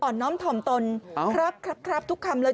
อ่อนน้อมธอมตนครับทุกคำเลย